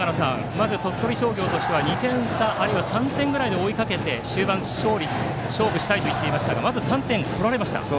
まず鳥取商業としては２点差あるいは３点ぐらいで追いかけて、終盤に勝負したいと言っていましたがまず３点取られました。